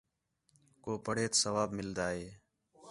کُو پڑھیت ثواب مِلدا ہِے